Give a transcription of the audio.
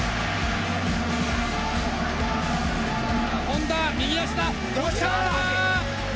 本田右足だ！